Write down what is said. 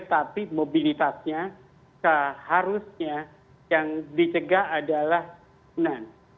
tapi mobilitasnya seharusnya yang dicegah adalah sunan